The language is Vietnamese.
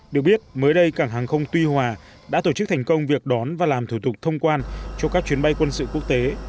được biết mới đây cảng hàng không tuy hòa đã tổ chức thành công việc đón và làm thủ tục thông quan cho các chuyến bay quân sự quốc tế